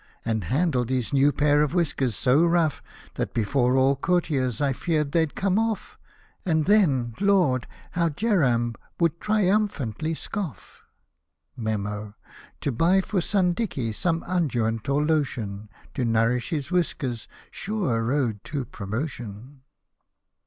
And handled his new pair of whiskers so rough, That before all the courtiers I feared they'd come off. And then, Lord, how Geramb would triumphantly scoff! Me7n, — to buy for son Dicky some unguent or lotion To nourish his whiskers — sure road to promotion